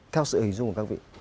theo sự hình dung của các vị